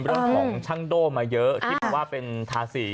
เรื่องของช่างโด่มาเยอะที่บอกว่าเป็นทาสี